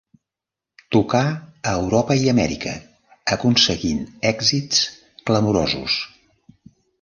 Tocà a Europa i Amèrica aconseguint èxits clamorosos.